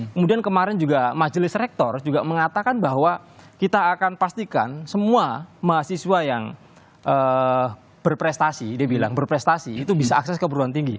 kemudian kemarin juga majelis rektor juga mengatakan bahwa kita akan pastikan semua mahasiswa yang berprestasi dia bilang berprestasi itu bisa akses ke perguruan tinggi